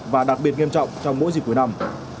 và đặc biệt nghiêm trọng trong mỗi dịp cuối năm